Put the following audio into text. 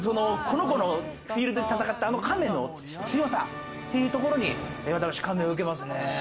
この子のフィールドで戦った、あの亀の強さっていうところに私、感銘を受けますね。